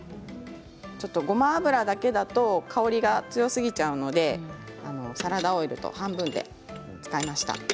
ちょっと、ごま油だけだと香りが強すぎちゃうのでサラダオイルと半分で使いました。